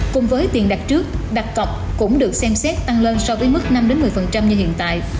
cùng với tiền đặt trước đặt cọc cũng được xem xét tăng lên so với mức năm một mươi như hiện tại